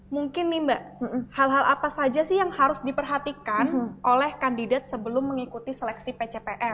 mungkin nih mbak hal hal apa saja sih yang harus diperhatikan oleh kandidat sebelum mengikuti seleksi pctr